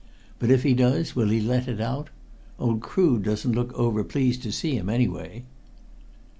But, if he does, will he let it out? Old Crood doesn't look over pleased to see him anyway!"